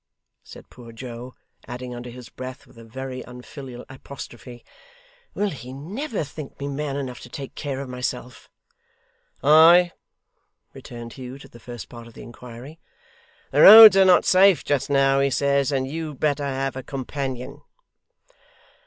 said poor Joe; adding under his breath, with a very unfilial apostrophe, 'Will he never think me man enough to take care of myself!' 'Aye!' returned Hugh to the first part of the inquiry. 'The roads are not safe just now, he says, and you'd better have a companion.